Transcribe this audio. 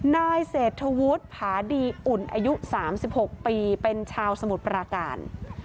นายเศรษฐวุฒิผาดีอุ่นอายุ๓๖ปีเป็นชาวสมุทรปราการ